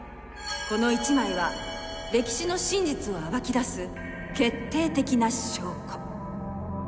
この一枚は歴史の真実を暴き出す決定的な証拠。